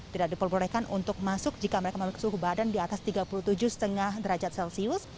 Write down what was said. tidak diperbolehkan untuk masuk jika mereka memiliki suhu badan di atas tiga puluh tujuh lima derajat celcius